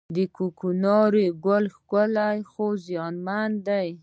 د کوکنارو ګل ښکلی خو زیانمن دی